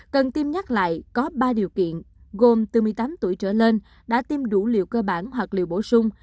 cần tiêm nhắc lại có ba điều kiện gồm từ một mươi tám tuổi trở lên đã tiêm đủ liệu cơ bản hoặc liệu bổ sung